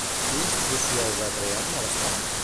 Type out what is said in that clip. Quina institució els ha creat malestar?